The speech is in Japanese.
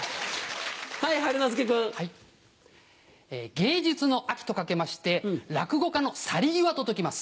「芸術の秋」と掛けまして落語家の去り際と解きます。